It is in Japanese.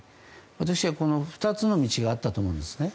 私は、２つの道があったと思うんですね。